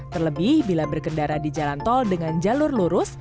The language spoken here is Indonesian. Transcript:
terlebih bila berkendara di jalan tol dengan jalur lurus